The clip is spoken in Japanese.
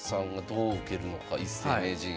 一世名人。